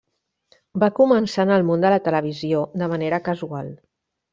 Va començar en el món de la televisió de manera casual.